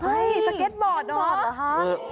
เฮ้ยสเก็ตบอร์ดหรอ